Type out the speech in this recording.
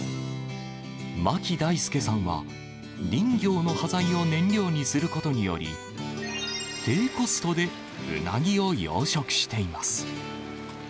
牧大介さんは、林業の端材を燃料にすることにより低コストでうなぎを養殖しています。